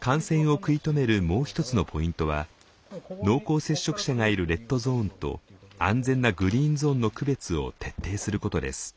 感染を食い止めるもう一つのポイントは濃厚接触者がいるレッドゾーンと安全なグリーンゾーンの区別を徹底することです。